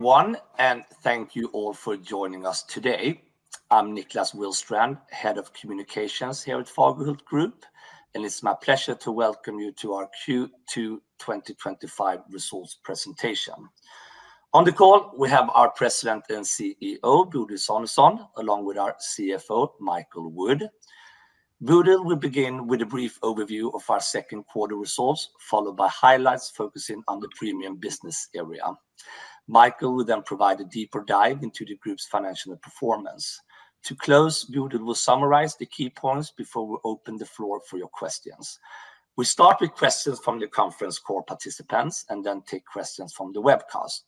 Thank you all for joining us today. I'm Niklas Willstrand, Head of Communications here at Fagerhult Group, and it's my pleasure to welcome you to our Q2 2025 results presentation. On the call, we have our President and CEO, Bodil Sonesson, along with our CFO, Michael Wood. Bodil will begin with a brief overview of our second quarter results, followed by highlights focusing on the premium business area. Michael will then provide a deeper dive into the group's financial performance. To close, Bodil will summarize the key points before we open the floor for your questions. We start with questions from the conference call participants and then take questions from the webcast.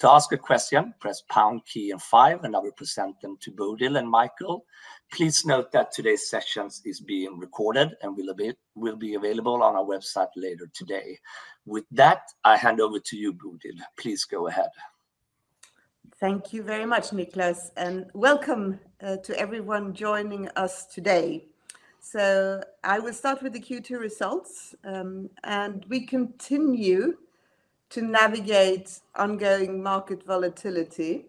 To ask a question, press pound, key, and five, and I will present them to Bodil and Michael. Please note that today's session is being recorded and will be available on our website later today. With that, I hand over to you, Bodil. Please go ahead. Thank you very much, Niklas, and welcome to everyone joining us today. I will start with the Q2 results, and we continue to navigate ongoing market volatility,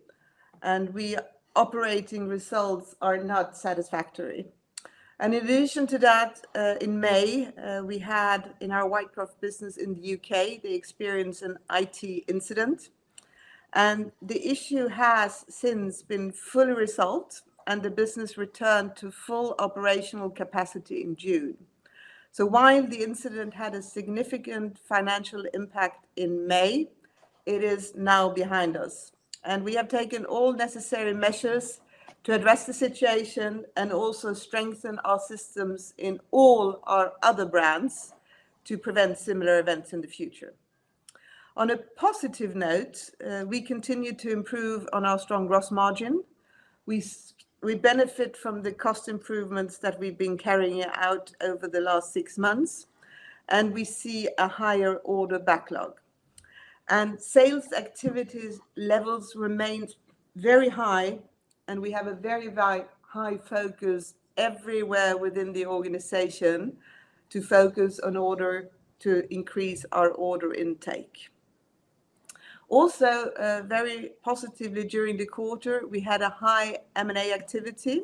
and the operating results are not satisfactory. In addition to that, in May, we had, in our Whitecroft business in the UK, the experience in an IT incident, and the issue has since been fully resolved, and the business returned to full operational capacity in June. While the incident had a significant financial impact in May, it is now behind us, and we have taken all necessary measures to address the situation and also strengthen our systems in all our other brands to prevent similar events in the future. On a positive note, we continue to improve on our strong gross margin. We benefit from the cost improvements that we've been carrying out over the last six months, and we see a higher order backlog. Sales activity levels remain very high, and we have a very high focus everywhere within the organization to focus on order to increase our order intake. Also, very positively during the quarter, we had a high M&A activity.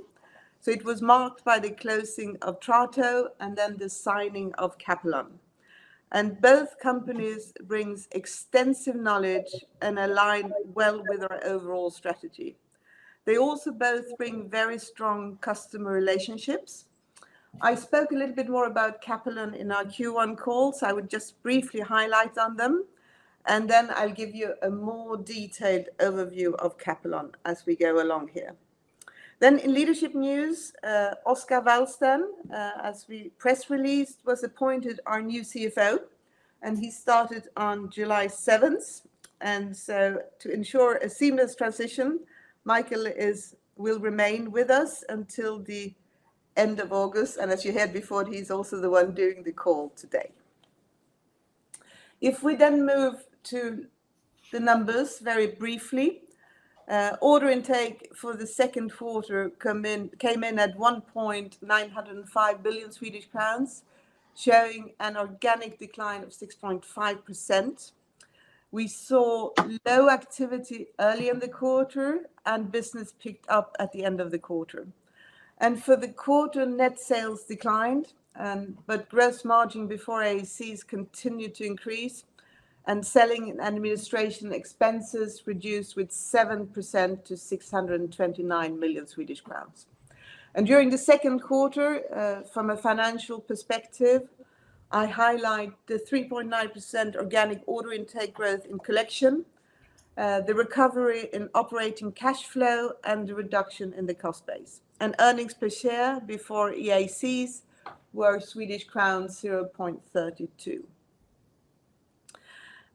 It was marked by the closing of Tratto and then the signing of Capelon. Both companies bring extensive knowledge and align well with our overall strategy. They also both bring very strong customer relationships. I spoke a little bit more about Capelon in our Q1 calls. I would just briefly highlight on them, and then I'll give you a more detailed overview of Capelon as we go along here. In leadership news, Oscar Wallsten, as we press released, was appointed our new CFO, and he started on July 7. To ensure a seamless transition, Michael will remain with us until the end of August, and as you heard before, he's also the one doing the call today. If we then move to the numbers very briefly, order intake for the second quarter came in at SEK 1.905 billion, showing an organic decline of 6.5%. We saw low activity early in the quarter, and business picked up at the end of the quarter. For the quarter, net sales declined, but gross margin before EAC continued to increase, and selling and administration expenses reduced by 7% to 629 million Swedish crowns. During the second quarter, from a financial perspective, I highlight the 3.9% organic order intake growth in collection, the recovery in operating cash flow, and the reduction in the cost base. Earnings per share before EAC were Swedish crown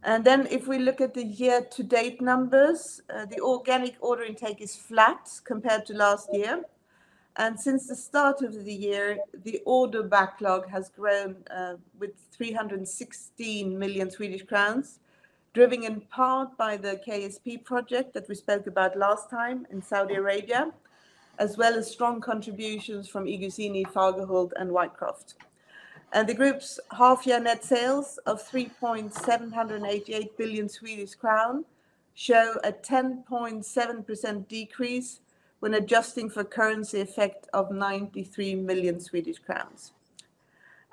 0.32. If we look at the year-to-date numbers, the organic order intake is flat compared to last year, and since the start of the year, the order backlog has grown by 316 million Swedish crowns, driven in part by the KSP project that we spoke about last time in Saudi Arabia, as well as strong contributions from iGuzzini, Fagerhult, and Whitecroft. The group's half-year net sales of 3.788 billion Swedish crown show a 10.7% decrease when adjusting for a currency effect of 93 million Swedish crowns.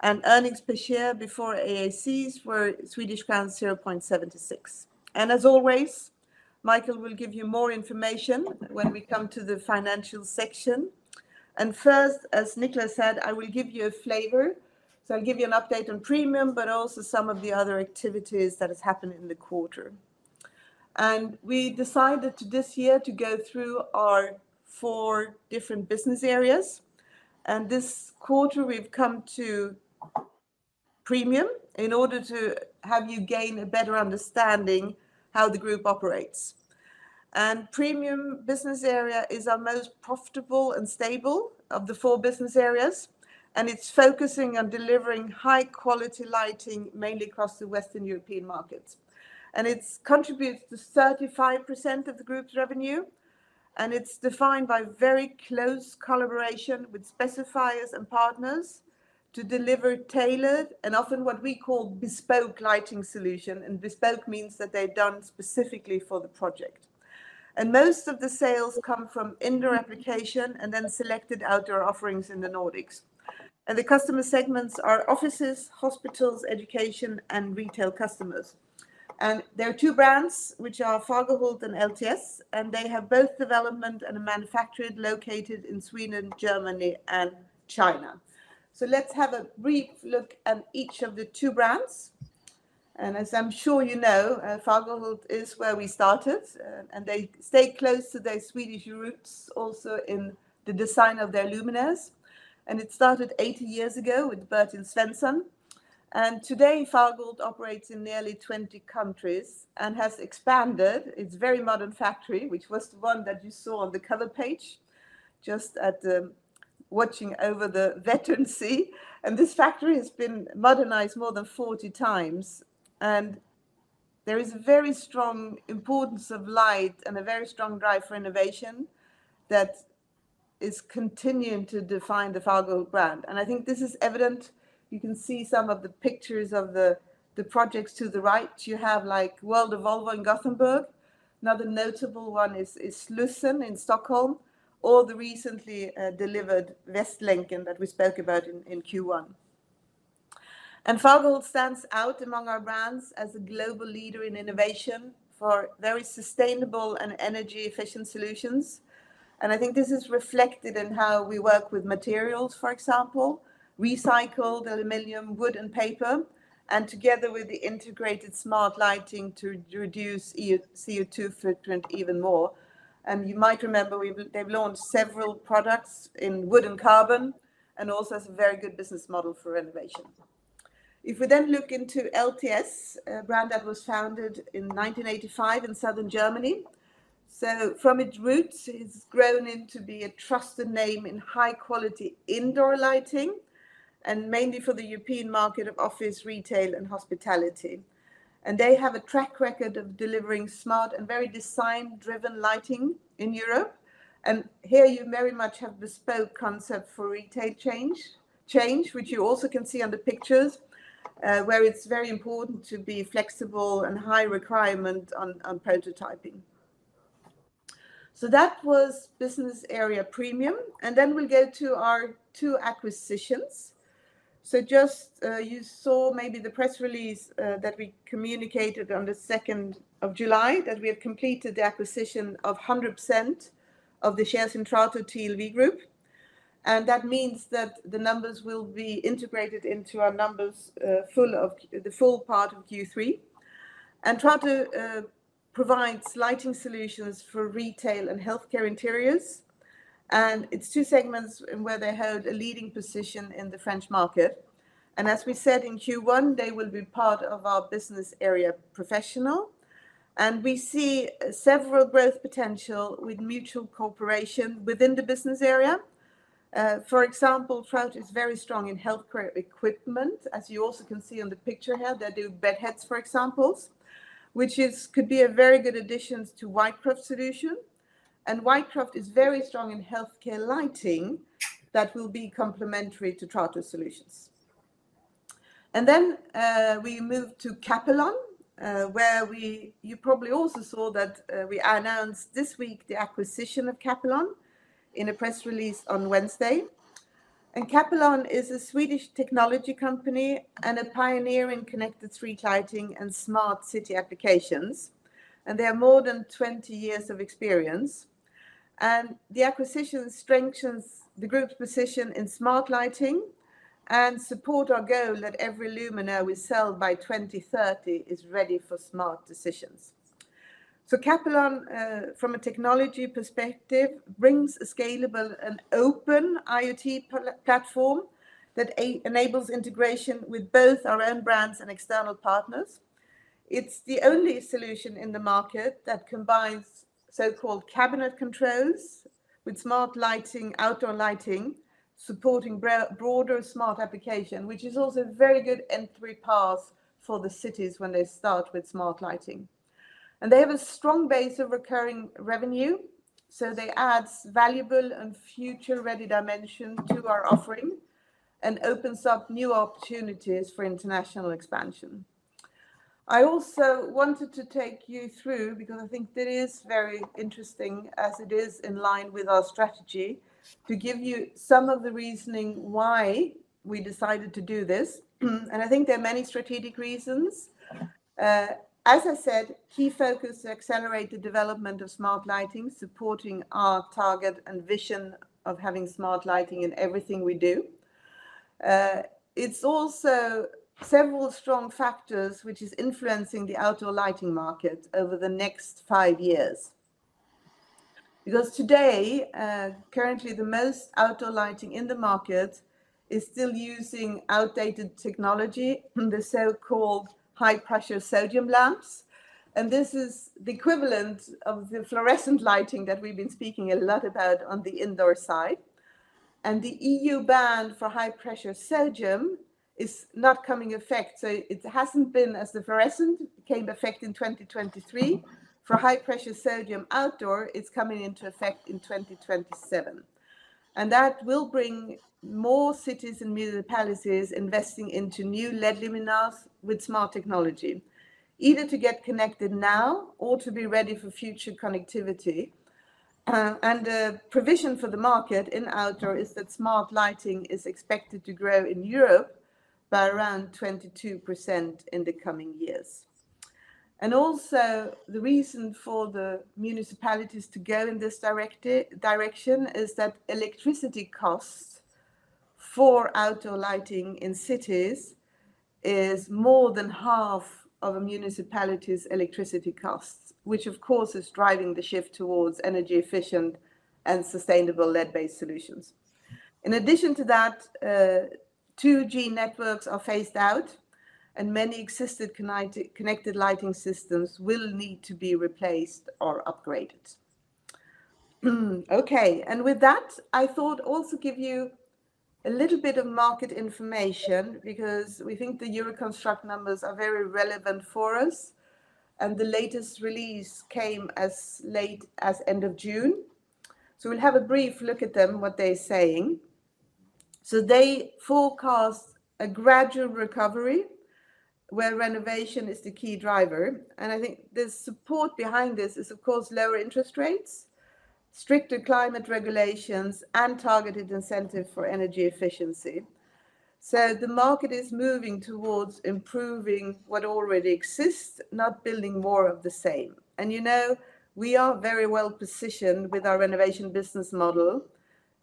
Earnings per share before IAC were Swedish crowns 0.76. As always, Michael will give you more information when we come to the financial section. As Niklas said, I will give you a flavor. I'll give you an update on premium, but also some of the other activities that have happened in the quarter. We decided this year to go through our four different business areas, and this quarter we've come to premium in order to have you gain a better understanding of how the group operates. The premium business area is our most profitable and stable of the four business areas, and it's focusing on delivering high-quality lighting mainly across the Western European markets. It contributes to 35% of the group's revenue, and it's defined by very close collaboration with specifiers and partners to deliver tailored and often what we call bespoke lighting solutions. Bespoke means that they're done specifically for the project. Most of the sales come from indoor application and then selected outdoor offerings in the Nordics. The customer segments are offices, hospitals, education, and retail customers. There are two brands, which are Fagerhult and LTS, and they have both development and manufacturing located in Sweden, Germany, and China. Let's have a brief look at each of the two brands. As I'm sure you know, Fagerhult is where we started, and they stay close to their Swedish roots also in the design of their luminaires. It started 80 years ago with Bertil Svensson. Today, Fagerhult operates in nearly 20 countries and has expanded. It's a very modern factory, which was the one that you saw on the cover page, just watching over the Vätternsee. This factory has been modernized more than 40x, and there is a very strong importance of light and a very strong drive for innovation that is continuing to define the Fagerhult brand. I think this is evident. You can see some of the pictures of the projects to the right. You have like World of Volvo in Gothenburg. Another notable one is Slussen in Stockholm, or the recently delivered Västlänken that we spoke about in Q1. Fagerhult stands out among our brands as a global leader in innovation for very sustainable and energy-efficient solutions. I think this is reflected in how we work with materials, for example, recycled aluminum, wood, and paper, and together with the integrated smart lighting to reduce CO2 footprint even more. You might remember they've launched several products in wood and carbon, and also it's a very good business model for renovation. If we then look into LTS, a brand that was founded in 1985 in southern Germany. From its roots, it's grown into a trusted name in high-quality indoor lighting, mainly for the European market of office, retail, and hospitality. They have a track record of delivering smart and very design-driven lighting in Europe. Here, you very much have a bespoke concept for retail change, which you also can see on the pictures, where it's very important to be flexible and high requirement on prototyping. That was business area premium, and then we'll go to our two acquisitions. You saw maybe the press release that we communicated on the 2nd of July that we had completed the acquisition of 100% of the shares in Trato TLV Group. That means that the numbers will be integrated into our numbers for the full part of Q3. Trato provides lighting solutions for retail and healthcare interiors, and its two segments where they hold a leading position in the French market. As we said in Q1, they will be part of our business area professional. We see several growth potentials with mutual cooperation within the business area. For example, Trato is very strong in healthcare equipment. As you also can see on the picture here, they do bedheads, for example, which could be a very good addition to Whitecroft Solutions. Whitecroft is very strong in healthcare lighting that will be complementary to Trato Solutions. We move to Capelon, where you probably also saw that we announced this week the acquisition of Capelon in a press release on Wednesday. Capelon is a Swedish technology company and a pioneer in connected street lighting and smart city applications. They have more than 20 years of experience. The acquisition strengthens the group's position in smart lighting and supports our goal that every luminaire we sell by 2030 is ready for smart decisions. Capelon, from a technology perspective, brings a scalable and open IoT platform that enables integration with both our own brands and external partners. It's the only solution in the market that combines so-called cabinet controls with smart outdoor lighting, supporting broader smart application, which is also a very good entry path for the cities when they start with smart lighting. They have a strong base of recurring revenue, so they add valuable and future-ready dimensions to our offering and open up new opportunities for international expansion. I also wanted to take you through, because I think it is very interesting as it is in line with our strategy, to give you some of the reasoning why we decided to do this. I think there are many strategic reasons. As I said, key focus is to accelerate the development of smart lighting, supporting our target and vision of having smart lighting in everything we do. There are also several strong factors which are influencing the outdoor lighting market over the next five years. Because today, currently, most outdoor lighting in the market is still using outdated technology, the so-called high-pressure sodium lamps. This is the equivalent of the fluorescent lighting that we've been speaking a lot about on the indoor side. The EU ban for high-pressure sodium is not coming in effect. It hasn't been as the fluorescent came in effect in 2023. For high-pressure sodium outdoor, it's coming into effect in 2027. That will bring more cities and municipalities investing into new LED luminaires with smart technology, either to get connected now or to be ready for future connectivity. The provision for the market in outdoor is that smart lighting is expected to grow in Europe by around 22% in the coming years. Also, the reason for the municipalities to go in this direction is that electricity costs for outdoor lighting in cities are more than half of a municipality's electricity costs, which of course is driving the shift towards energy-efficient and sustainable LED-based solutions. In addition to that, 2G networks are phased out, and many existing connected lighting systems will need to be replaced or upgraded. Okay, with that, I thought I'd also give you a little bit of market information because we think the Euroconstruct numbers are very relevant for us, and the latest release came as late as the end of June. We'll have a brief look at them, what they're saying. They forecast a gradual recovery where renovation is the key driver. I think the support behind this is, of course, lower interest rates, stricter climate regulations, and targeted incentives for energy efficiency. The market is moving towards improving what already exists, not building more of the same. You know we are very well positioned with our renovation business model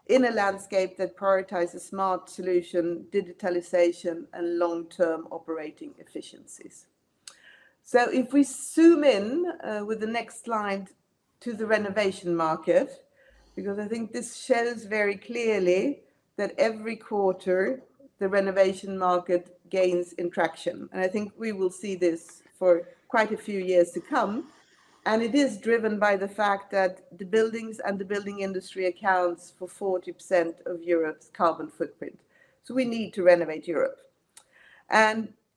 in a landscape that prioritizes smart solutions, digitalization, and long-term operating efficiencies. If we zoom in with the next slide to the renovation market, I think this shows very clearly that every quarter the renovation market gains in traction. I think we will see this for quite a few years to come, and it is driven by the fact that the buildings and the building industry account for 40% of Europe's carbon footprint. We need to renovate Europe.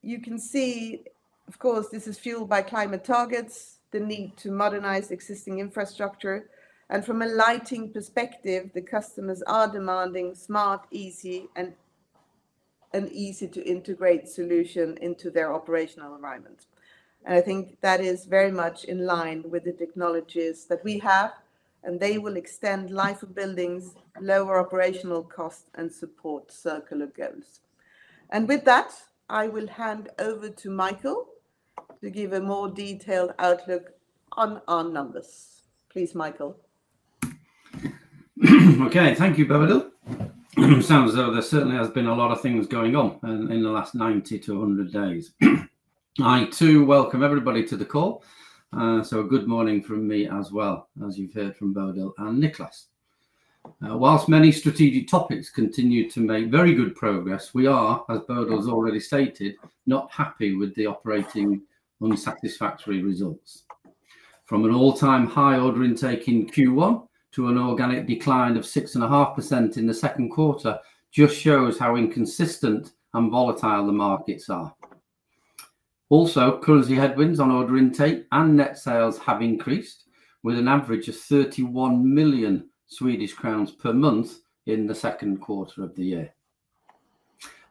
You can see, of course, this is fueled by climate targets, the need to modernize existing infrastructure, and from a lighting perspective, the customers are demanding smart, easy, and easy-to-integrate solutions into their operational environment. I think that is very much in line with the technologies that we have, and they will extend life of buildings, lower operational costs, and support circular goals. With that, I will hand over to Michael to give a more detailed outlook on our numbers. Please, Michael. Okay, thank you, Bodil. It sounds as though there certainly have been a lot of things going on in the last 90-100 days. I too welcome everybody to the call. A good morning from me as well, as you've heard from Bodil and Niklas. Whilst many strategic topics continue to make very good progress, we are, as Bodil has already stated, not happy with the operating unsatisfactory results. From an all-time high order intake in Q1 to an organic decline of 6.5% in the second quarter, it just shows how inconsistent and volatile the markets are. Also, currency headwinds on order intake and net sales have increased, with an average of 31 million Swedish crowns per month in the second quarter of the year.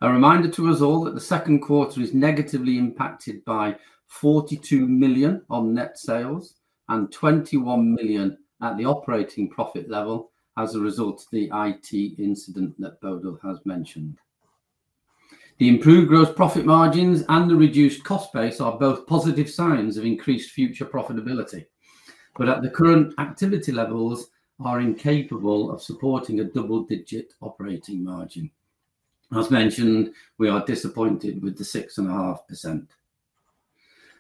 A reminder to us all that the second quarter is negatively impacted by 42 million on net sales and 21 million at the operating profit level as a result of the IT incident that Bodil has mentioned. The improved gross profit margins and the reduced cost base are both positive signs of increased future profitability, but at the current activity levels, they are incapable of supporting a double-digit operating margin. As mentioned, we are disappointed with the 6.5%.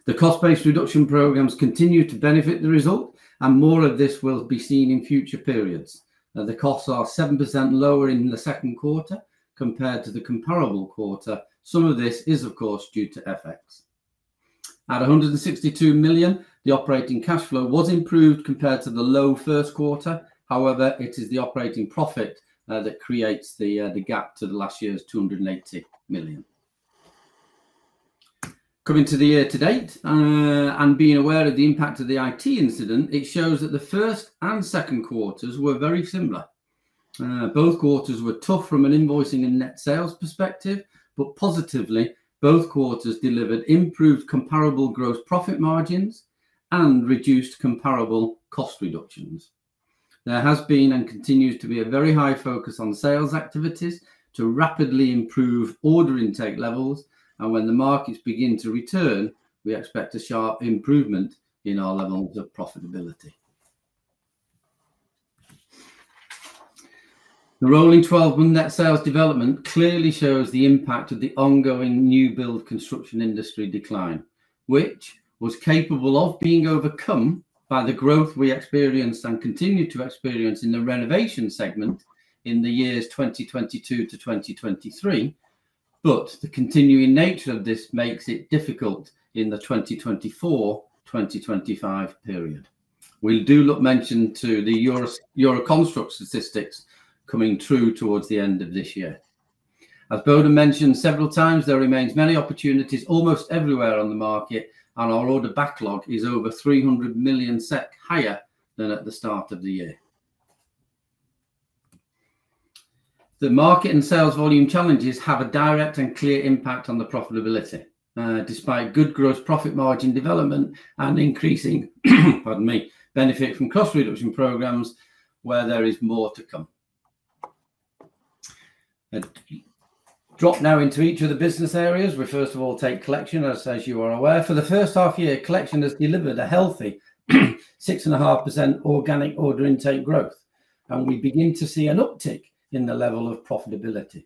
The cost-based reduction programs continue to benefit the result, and more of this will be seen in future periods. The costs are 7% lower in the second quarter compared to the comparable quarter. Some of this is, of course, due to FX. At 162 million, the operating cash flow was improved compared to the low first quarter. However, it is the operating profit that creates the gap to last year's 280 million. Coming to the year to date and being aware of the impact of the IT incident, it shows that the first and second quarters were very similar. Both quarters were tough from an invoicing and net sales perspective, but positively, both quarters delivered improved comparable gross profit margins and reduced comparable cost reductions. There has been and continues to be a very high focus on sales activities to rapidly improve order intake levels, and when the markets begin to return, we expect a sharp improvement in our levels of profitability. The rolling 12 net sales development clearly shows the impact of the ongoing new build construction industry decline, which was capable of being overcome by the growth we experienced and continue to experience in the renovation segment in the years 2022-2023, but the continuing nature of this makes it difficult in the 2024-2025 period. We do look to mention the Euroconstruct statistics coming through towards the end of this year. As Bodil Sonesson mentioned several times, there remain many opportunities almost everywhere on the market, and our order backlog is over 300 million SEK higher than at the start of the year. The market and sales volume challenges have a direct and clear impact on the profitability, despite good gross margin development and increasing benefit from cost reduction programs where there is more to come. Drop now into each of the business areas. We first of all take Collection, as you are aware. For the first half year, Collection has delivered a healthy 6.5% organic order intake growth, and we begin to see an uptick in the level of profitability.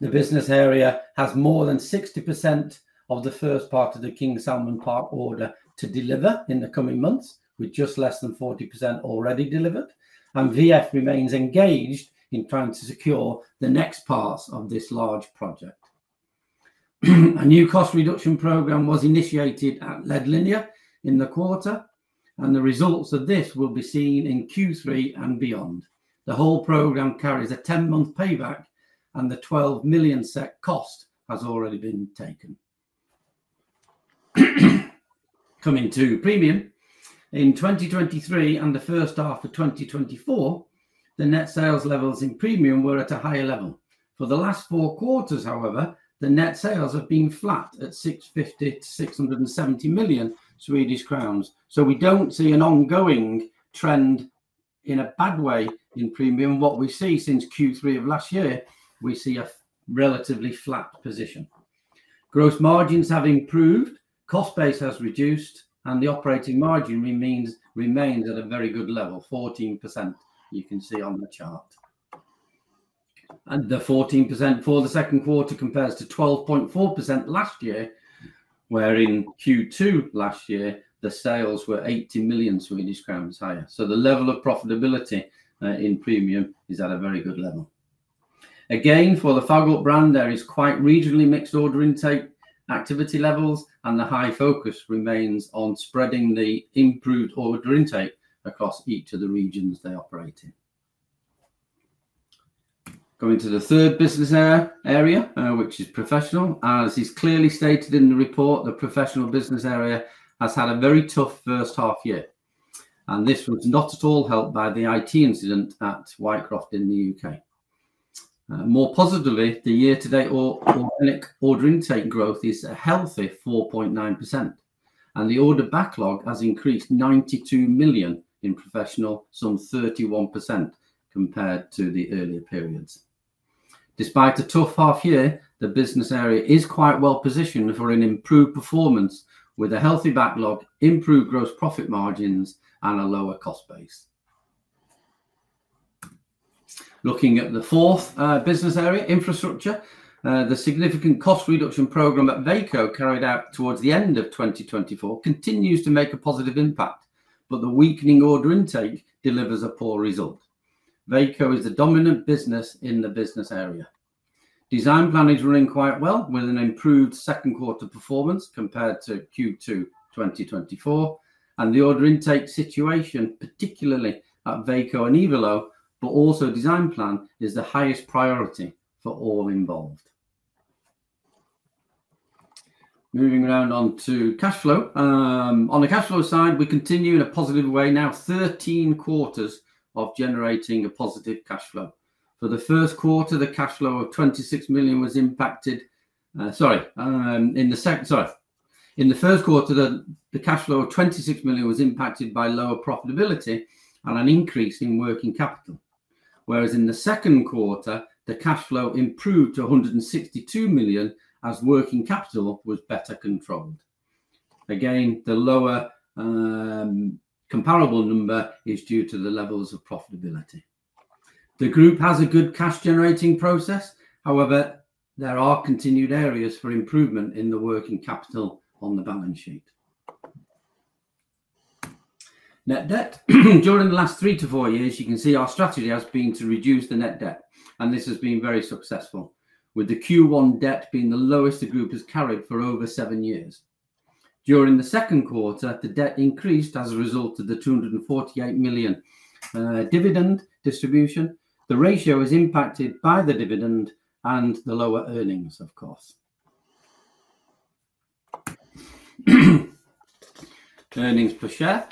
The business area has more than 60% of the first part of the King Salman Park order to deliver in the coming months, with just less than 40% already delivered, and VF remains engaged in trying to secure the next pass on this large project. A new cost reduction program was initiated at LED Linear in the quarter, and the results of this will be seen in Q3 and beyond. The whole program carries a 10-month payback, and the 12 million cost has already been taken. Coming to Premium, in 2023 and the first half of 2024, the net sales levels in Premium were at a higher level. For the last four quarters, however, the net sales have been flat at 650 million-670 million Swedish crowns. We don't see an ongoing trend in a bad way in Premium. What we see since Q3 of last year, we see a relatively flat position. Gross margins have improved, cost base has reduced, and the operating margin remains at a very good level, 14%, you can see on the chart. The 14% for the second quarter compares to 12.4% last year, where in Q2 last year, the sales were 80 million Swedish crowns higher. The level of profitability in Premium is at a very good level. Again, for the Fagerhult brand, there is quite reasonably mixed order intake activity levels, and the high focus remains on spreading the improved order intake across each of the regions they operate in. Coming to the third business area, which is Professional. As is clearly stated in the report, the Professional business area has had a very tough first half year, and this was not at all helped by the IT incident at Whitecroft in the UK. More positively, the year-to-date order intake growth is a healthy 4.9%, and the order backlog has increased by 92 million in Professional, some 31% compared to the earlier periods. Despite a tough half year, the business area is quite well positioned for an improved performance with a healthy backlog, improved gross profit margins, and a lower cost base. Looking at the fourth business area, Infrastructure, the significant cost reduction program at Veko carried out towards the end of 2024 continues to make a positive impact, but the weakening order intake delivers a poor result. Veko is the dominant business in the business area. Design Plan is doing quite well with an improved second quarter performance compared to Q2 2024, and the order intake situation, particularly at Veko and I-Valo, but also Design Plan, is the highest priority for all involved. Moving around onto cash flow. On the cash flow side, we continue in a positive way now, 13 quarters of generating a positive cash flow. For the first quarter, the cash flow of 26 million was impacted by lower profitability and an increase in working capital, whereas in the second quarter, the cash flow improved to 162 million as working capital was better controlled. Again, the lower comparable number is due to the levels of profitability. The group has a good cash-generating process. However, there are continued areas for improvement in the working capital on the balance sheet. Net debt, during the last three to four years, you can see our strategy has been to reduce the net debt, and this has been very successful, with the Q1 debt being the lowest the group has carried for over seven years. During the second quarter, the debt increased as a result of the 248 million dividend distribution. The ratio is impacted by the dividend and the lower earnings, of course. Earnings per share,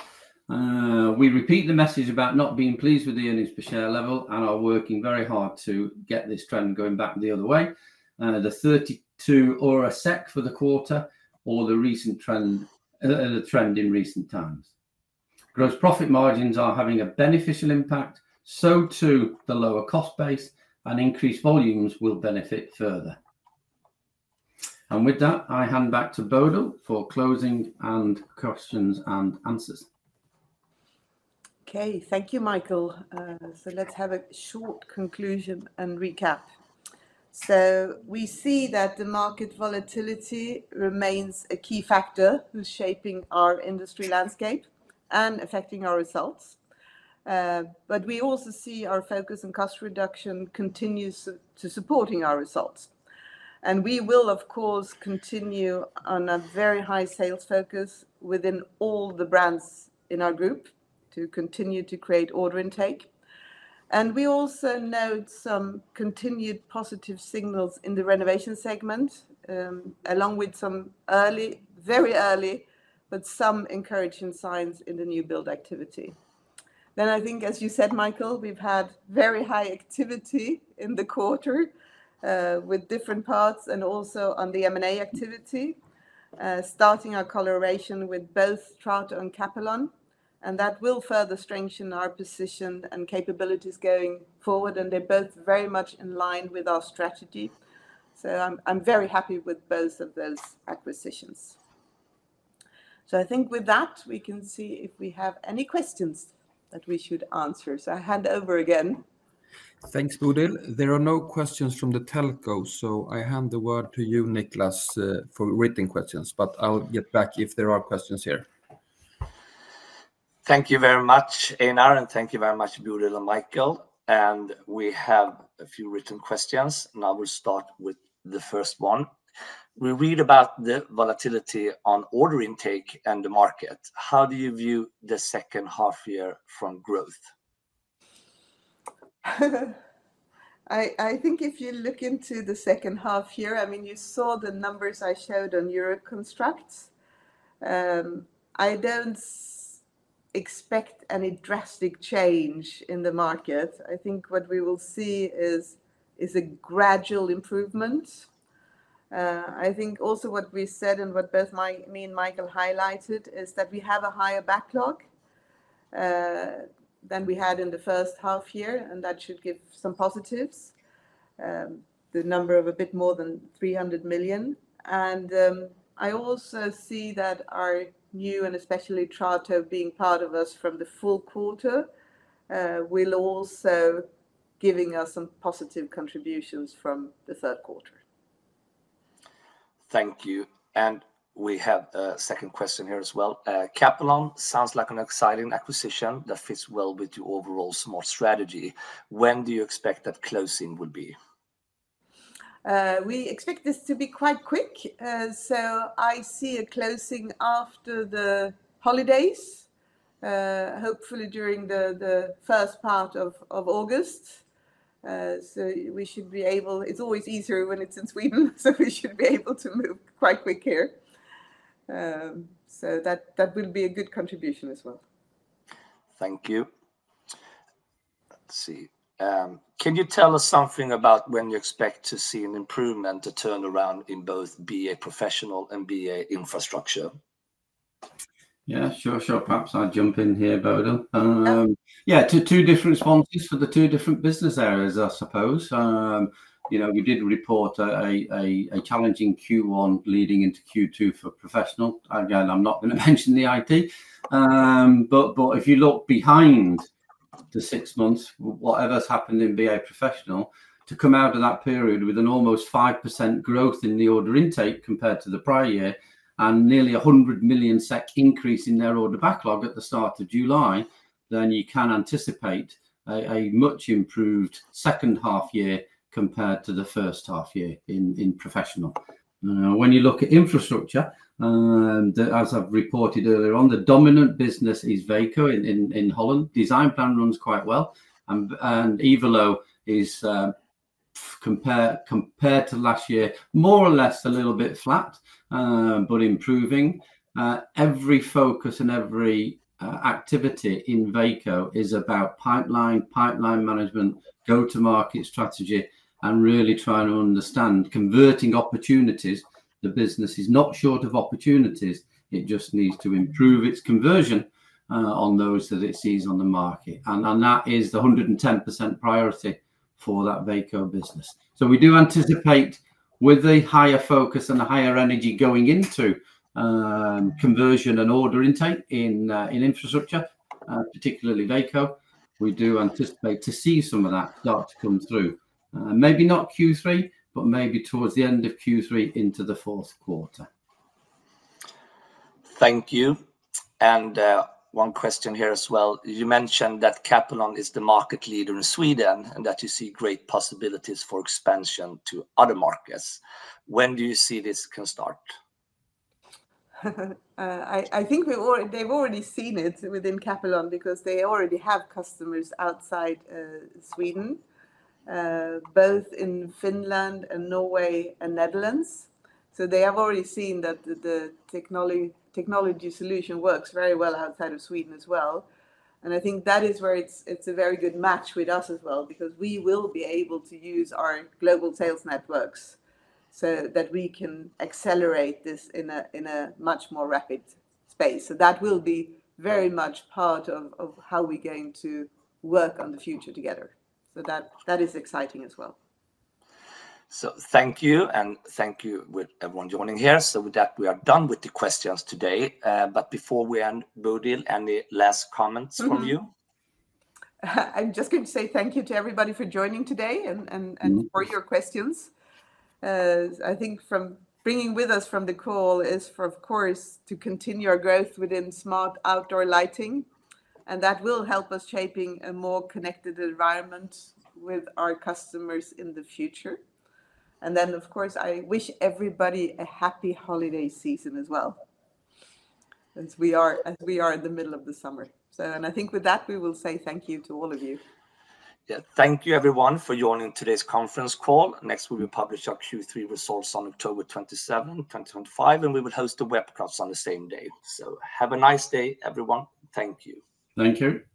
we repeat the message about not being pleased with the earnings per share level and are working very hard to get this trend going back the other way. The 0.32 for the quarter or the recent trend in recent times. Gross profit margins are having a beneficial impact, so too the lower cost base, and increased volumes will benefit further. With that, I hand back to Bodil for closing questions and answers. Okay, thank you, Michael. Let's have a short conclusion and recap. We see that the market volatility remains a key factor shaping our industry landscape and affecting our results, but we also see our focus on cost reduction continues to support our results. We will, of course, continue on a very high sales focus within all the brands in our group to continue to create order intake. We also note some continued positive signals in the renovation segment, along with some early, very early, but some encouraging signs in the new build activity. As you said, Michael, we've had very high activity in the quarter with different parts and also on the M&A activity, starting our collaboration with both Trato and Capelon. That will further strengthen our position and capabilities going forward, and they're both very much in line with our strategy. I'm very happy with both of those acquisitions. I think with that, we can see if we have any questions that we should answer. I hand over again. Thanks, Bodil. There are no questions from the telco, so I hand the word to you, Niklas, for written questions. I'll get back if there are questions here. Thank you very much, Einar, and thank you very much, Bodil and Michael. We have a few written questions, and I will start with the first one. We read about the volatility on order intake and the market. How do you view the second half year from growth? I think if you look into the second half year, you saw the numbers I showed on Euroconstruct. I don't expect any drastic change in the market. I think what we will see is a gradual improvement. I think also what we said and what both me and Michael highlighted is that we have a higher backlog than we had in the first half year, and that should give some positives, the number of a bit more than 300 million. I also see that our new and especially Trato being part of us from the full quarter will also give us some positive contributions from the third quarter. Thank you. We have a second question here as well. Capelon sounds like an exciting acquisition that fits well with your overall small strategy. When do you expect that closing would be? We expect this to be quite quick. I see a closing after the holidays, hopefully during the first part of August. It's always easier when it's in Sweden, so we should be able to move quite quick here. That would be a good contribution as well. Thank you. Let's see. Can you tell us something about when you expect to see an improvement, a turnaround in both BA Professional and BA Infrastructure? Yeah, sure, sure. Perhaps I'll jump in here, Bodil. Two different responses for the two different business areas, I suppose. We did report a challenging Q1 leading into Q2 for Professional. Again, I'm not going to mention the IT, but if you look behind the six months, whatever's happened in BA Professional, to come out of that period with an almost 5% growth in the order intake compared to the prior year and nearly 100 million SEK increase in their order backlog at the start of July, then you can anticipate a much improved second half year compared to the first half year in Professional. Now, when you look at Infrastructure, as I've reported earlier on, the dominant business is Veko in Holland. Design Plan runs quite well, and I-Valo is, compared to last year, more or less a little bit flat, but improving. Every focus and every activity in Veko is about pipeline, pipeline management, go-to-market strategy, and really trying to understand converting opportunities. The business is not short of opportunities; it just needs to improve its conversion on those that it sees on the market. That is the 110% priority for that Veko business. We do anticipate, with a higher focus and a higher energy going into conversion and order intake in Infrastructure, particularly Veko, we do anticipate to see some of that start to come through. Maybe not Q3, but maybe towards the end of Q3 into the fourth quarter. Thank you. One question here as well. You mentioned that Capelon is the market leader in Sweden and that you see great possibilities for expansion to other markets. When do you see this can start? I think they've already seen it within Capelon because they already have customers outside Sweden, both in Finland, Norway, and Netherlands. They have already seen that the technology solution works very well outside of Sweden as well. I think that is where it's a very good match with us as well because we will be able to use our global sales networks, so that we can accelerate this in a much more rapid pace. That will be very much part of how we're going to work on the future together. That is exciting as well. Thank you, and thank you to everyone joining here. With that, we are done with the questions today. Before we end, Bodil, any last comments from you? I'm just going to say thank you to everybody for joining today and for your questions. I think from bringing with us from the call is for, of course, to continue our growth within smart outdoor lighting, and that will help us shape a more connected environment with our customers in the future. Of course, I wish everybody a happy holiday season as well, as we are in the middle of the summer. I think with that, we will say thank you to all of you. Thank you, everyone, for joining today's conference call. Next, we will publish our Q3 results on October 27, 2025, and we will host the webcast on the same day. Have a nice day, everyone. Thank you. Thank you.